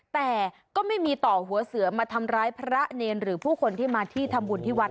แต่ก็ไม่มีต่อหัวเสือมาทำร้ายพระเนรหรือผู้คนที่มาที่ทำบุญที่วัด